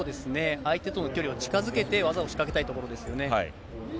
相手との距離を近づけて、技を仕掛けたいところですよね。